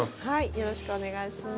よろしくお願いします。